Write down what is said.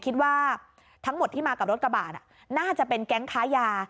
คิดว่าทั้งหมดที่มากับรถกระบาดน่าจะเป็นแก๊งค้ายา